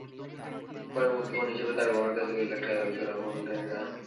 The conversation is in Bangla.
পরে মুক্তিপণ হিসেবে তার বাবার কাছে দুই লাখ টাকা দাবি করে অপহরণকারীরা।